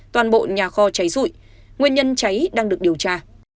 toàn bộ nhà kho cháy rụi nguyên nhân cháy đang được điều tra